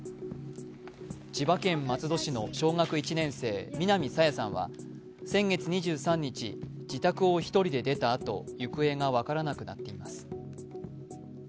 千葉県松戸市の小学１年生、南朝芽さんは先月２３日、自宅を１人で出たあと、行方が分からなくなっています。